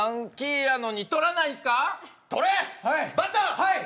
はい！